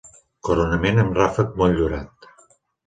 Coronament amb ràfec motllurat.